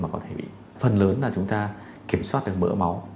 phần lớn là chúng ta kiểm soát được mỡ máu